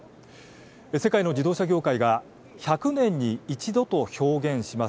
世界の自動車業界が１００年に一度と表現します